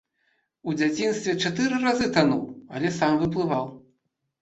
У дзяцінстве чатыры разы тануў, але сам выплываў.